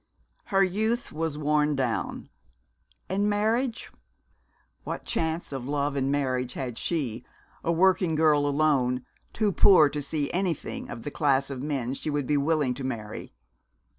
Her youth was worn down. And marriage? What chance of love and marriage had she, a working girl alone, too poor to see anything of the class of men she would be willing to marry?